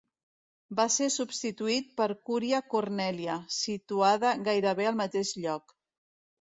Va ser substituït per Curia Cornelia, situada gairebé al mateix lloc.